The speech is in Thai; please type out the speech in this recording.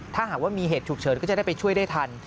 ถ้าหากว่ามีเหตุฉุกเฉินก็จะได้ไปช่วยได้ทัน